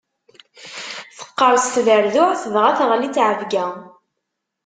Teqqerṣ tberduɛt, dɣa teɣli tteɛbeyya.